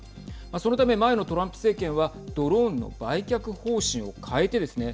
そのため、前のトランプ政権はドローンの売却方針を変えてですね